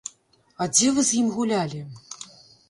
А дзе вы з ім гулялі?